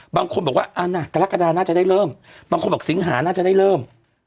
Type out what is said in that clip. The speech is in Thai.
บางคนบอกว่ากรกฎาน่าจะได้เริ่มบางคนบอกสิงหาน่าจะได้เริ่ม